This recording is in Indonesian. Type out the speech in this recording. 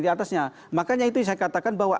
diatasnya makanya itu yang saya katakan bahwa